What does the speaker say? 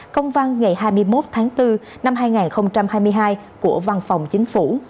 công văn ngày hai mươi một tháng bốn năm hai nghìn hai mươi hai của văn phòng chính phủ